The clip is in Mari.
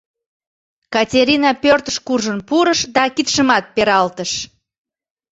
— Катерина пӧртыш куржын пурыш да кидшымат пералтыш.